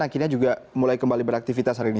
akhirnya juga mulai kembali beraktivitas hari ini